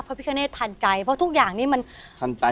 พิฆาเนธทันใจเพราะทุกอย่างนี้มันทันใจ